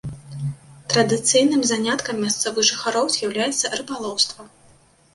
Традыцыйным заняткам мясцовых жыхароў з'яўляецца рыбалоўства.